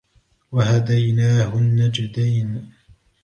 وهديناه النجدين